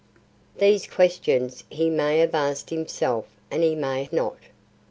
These questions he may have asked himself and he may not.